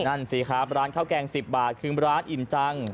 นั่นสิครับร้านข้าวแกง๑๐บาทคือร้านอิ่มจัง